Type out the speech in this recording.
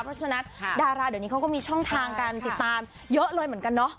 เพราะฉะนั้นดาราเดี๋ยวนี้เขาก็มีช่องทางการติดตามเยอะเลยเหมือนกันเนาะ